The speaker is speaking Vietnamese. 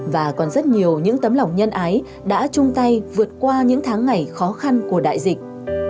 và còn rất nhiều những tấm lòng nhân ái đã chung tay vượt qua những tháng ngày khó khăn của đại dịch